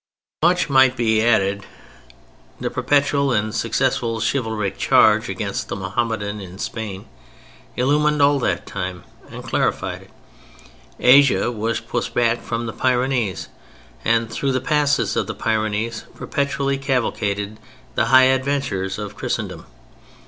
Much might be added. The perpetual and successful chivalric charge against the Mohammedan in Spain illumined all that time and clarified it. Asia was pushed back from the Pyrenees, and through the passes of the Pyrenees perpetually cavalcaded the high adventurers of Christendom.